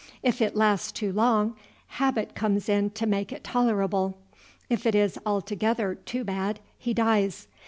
If it lasts too long, habit comes in to make it tolerable. If it is altogether too bad, he dies.